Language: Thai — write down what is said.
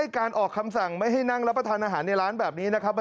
การออกคำสั่งไม่ให้นั่งรับประทานอาหารในร้านแบบนี้นะครับ